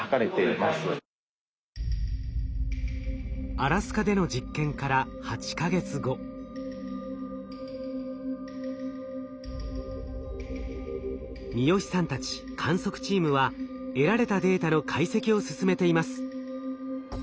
アラスカでの実験から三好さんたち観測チームは得られたデータの解析を進めています。